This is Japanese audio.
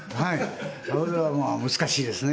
これはもう、難しいですね。